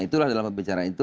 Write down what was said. itulah dalam pembicaraan itu